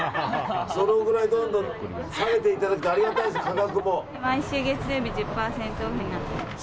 そのくらいどんどん下げていただけるとありがたいです、価格も。